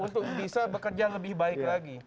untuk bisa bekerja lebih baik lagi